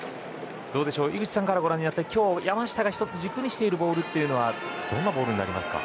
井口さんからご覧になって山下が軸にしているボールはどんなボールになりますか。